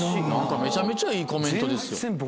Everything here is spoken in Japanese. めちゃめちゃいいコメントですよ。